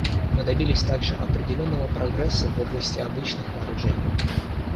Мы добились также определенного прогресса в области обычных вооружений.